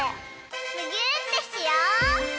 むぎゅーってしよう！